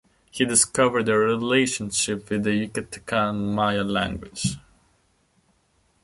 He discovered the relationship with the Yucatecan Maya language.